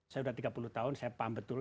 saya sudah tiga puluh tahun saya paham betul